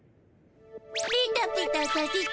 ペタペタさせて。